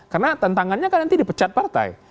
karena tantangannya kan nanti dipecat partai